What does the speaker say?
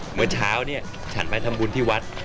เมื่อเช้าเนี่ยฉันไปทำบุญที่วัด